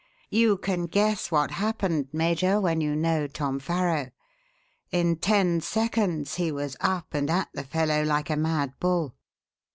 You can guess what happened, Major, when you know Tom Farrow. In ten seconds he was up and at that fellow like a mad bull.